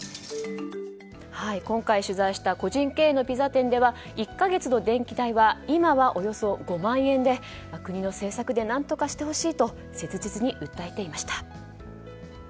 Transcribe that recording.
今回取材した個人経営のピザ店では１か月の電気代は今はおよそ５万円で国の政策で何とかしてほしいと切実に訴えていました。